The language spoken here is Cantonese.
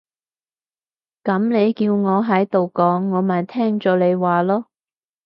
噉你叫我喺度講，我咪聽咗你話囉